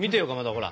ほら。